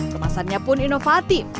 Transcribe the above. kemasannya pun inovatif